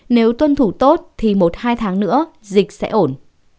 nếu tuân thủ tốt thì một hai tháng nữa dịch sẽ ổn